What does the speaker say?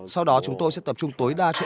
sau đó chúng tôi sẽ tập trung tối đa cho